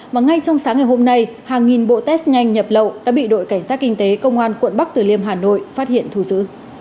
mà ngay trong sáng ngày hôm nay hàng nghìn bộ test nhanh nhập lậu đã bị đội cảnh sát kinh tế công an quận bắc tử liêm hà nội phát hiện thu giữ